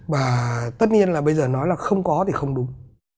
và tất nhiên là bây giờ nói là không có thì không đúng